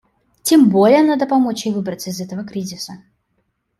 Тем более надо помочь ей выбраться из этого кризиса.